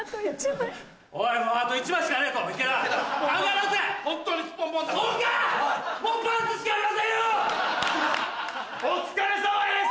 お疲れさまです！